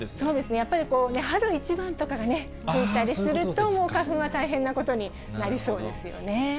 やっぱり春一番とかがね、吹いたりすると、もう花粉は大変なことになりそうですよね。